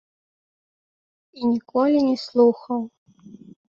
І ніколі не слухаў.